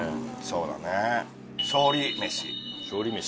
そうだね。